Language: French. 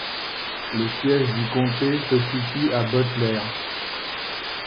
Le siège du comté se situe à Butler.